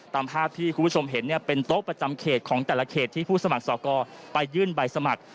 ตามภาพที่คุณผู้ชมเห็นเนี่ยเป็นโต๊ะประจำเขตของแต่ละเขตที่ผู้สมัครสอกรไปยื่นใบสมัคร